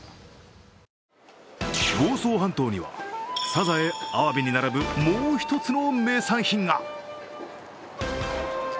房総半島にはさざえ、あわびに並ぶもう１つの名産品が。